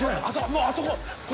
もうあそこ。